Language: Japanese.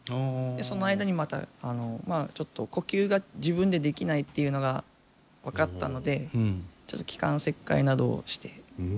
その間にまたまあちょっと呼吸が自分でできないっていうのが分かったのでちょっと気管切開などをして。